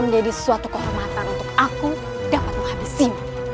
jadi suatu kehormatan untuk aku dapat menghabisimu